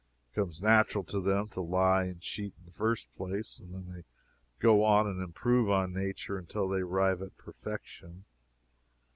It comes natural to them to lie and cheat in the first place, and then they go on and improve on nature until they arrive at perfection.